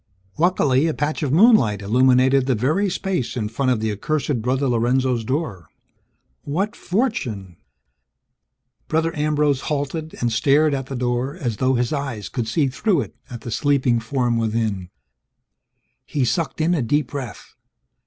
Luckily, a patch of moonlight illuminated the very space in front of the accursed Brother Lorenzo's door. What fortune! Brother Ambrose halted and stared at the door as though his eyes could see through it, at the sleeping form within. He sucked in a deep breath.